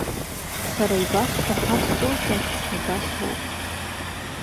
Сара ибасҳәо хабҵозар, убасоуп!